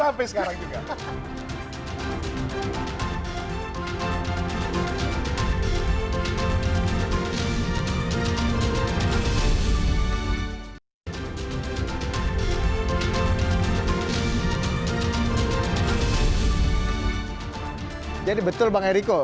pak jokowi menyerang pribadi atau tidak